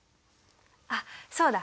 あっそうだ。